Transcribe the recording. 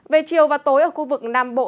về chiều và tối ở khu vực nam bộ